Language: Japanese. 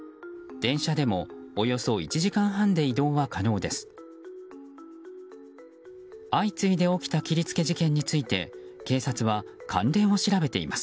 電車でもおよそ１時間半で移動は可能です。